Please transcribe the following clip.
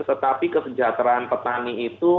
tetapi kesejahteraan petani itu